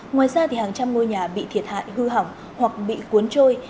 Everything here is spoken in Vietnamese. ngoài ra hàng trăm ngôi nhà bị thiệt hại hư hỏng hoặc bị cuốn trôi